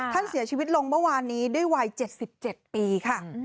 ท่านเสียชีวิตลงเมื่อวานนี้ด้วยวัย๗๗ปีค่ะ